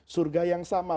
surga yang sama